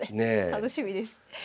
楽しみです。